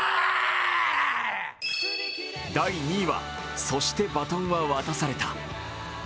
第２位は「そして、バトンは渡された」。